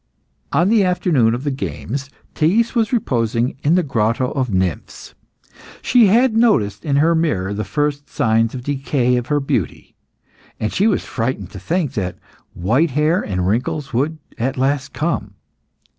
On the afternoon after the games, Thais was reposing in the Grotto of Nymphs. She had noticed in her mirror the first signs of the decay of her beauty, and she was frightened to think that white hair and wrinkles would at last come.